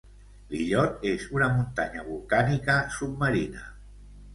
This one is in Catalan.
L'illot és una muntanya volcànica submarina.